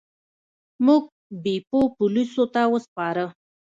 موږ بیپو پولیسو ته وسپاره.